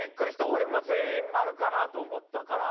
俺も全員○かなと思ったから。